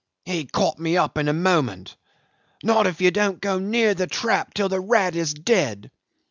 He caught me up in a moment. 'Not if you don't go near the trap till the rat is dead.